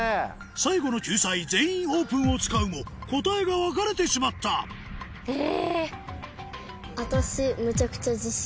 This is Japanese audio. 最後の救済「全員オープン」を使うも答えが分かれてしまった私めちゃくちゃ。